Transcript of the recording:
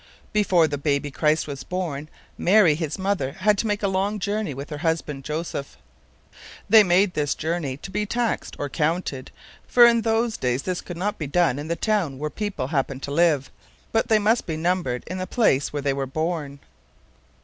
Before the baby Christ was born, Mary, His mother, had to make a long journey with her husband, Joseph. They made this journey to be taxed or counted; for in those days this could not be done in the town where people happened to live, but they must be numbered in the place where they were born.